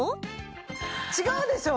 違うでしょ？